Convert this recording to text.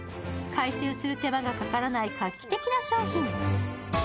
回収する手間がかからない画期的な商品。